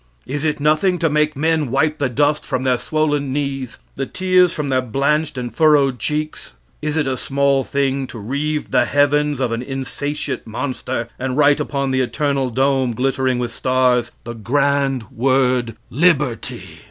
Is it nothing to make men wipe the dust from their swollen knees, the tears from their blanched and furrowed cheeks? Is it a small thing to reave the heavens of an insatiate monster and write upon the eternal dome, glittering with stars, the grand word liberty?